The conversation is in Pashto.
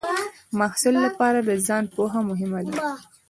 د محصل لپاره د ځان پوهه مهمه ده.